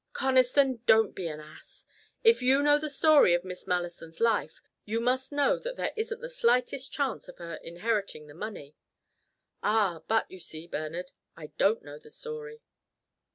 "Conniston, don't be an ass. If you know the story of Miss Malleson's life, you must know that there isn't the slightest chance of her inheriting the money." "Ah, but, you see, Bernard, I don't know the story."